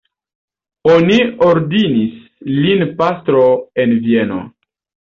Oni ordinis lin pastro en Vieno.